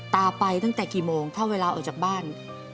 ตาไปตั้งแต่กี่โมงถ้าเวลาออกจากบ้าน